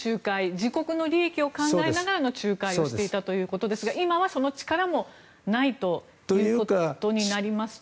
自国の利益を考えながらの仲介をしていたわけですが今はその力もないということになりますと。